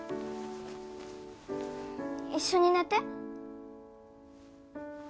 一緒に寝て